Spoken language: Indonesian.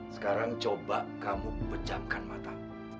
sekarang coba kamu pecahkan mata